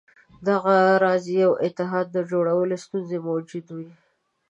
دغه راز یوه اتحاد د جوړولو ستونزې موجودې وې.